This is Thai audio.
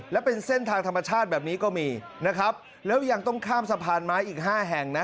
และเป็นเส้นทางธรรมชาติแบบนี้ก็มีนะครับแล้วยังต้องข้ามสะพานไม้อีกห้าแห่งนะ